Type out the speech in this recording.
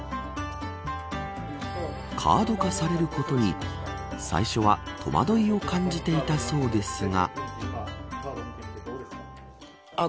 カード化されることに最初は戸惑いを感じていたそうですが。